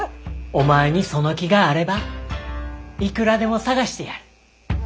お前にその気があればいくらでも探してやる。